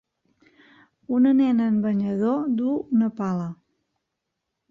Una nena en banyador duu una pala.